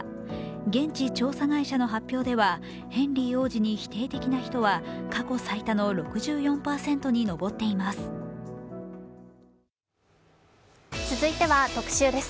現地調査会社の発表ではヘンリー王子に否定的な人は過去最多の６４％に上っています。